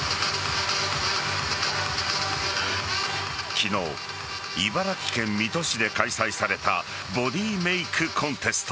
昨日、茨城県水戸市で開催されたボディーメイクコンテスト。